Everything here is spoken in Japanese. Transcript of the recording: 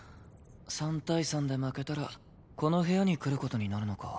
３対３で負けたらこの部屋に来る事になるのか。